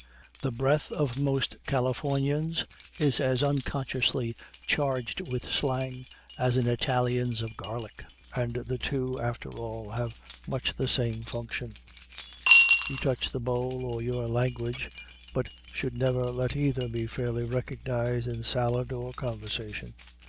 The breath of most Californians is as unconsciously charged with slang as an Italian's of garlic, and the two, after all, have much the same function; you touch the bowl or your language, but should never let either be fairly recognized in salad or conversation.